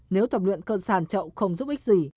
nếu tập luyện cân sản trậu không giúp ích gì